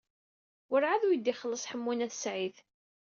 Werɛad ur iyi-d-ixelleṣ Ḥemmu n At Sɛid.